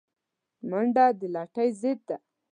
منډه د لټۍ ضد ده